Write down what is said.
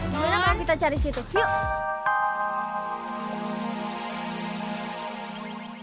bisa ga kita cari situ yuk